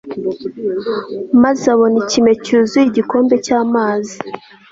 maze abona ikime cyuzuye igikombe cy'amazi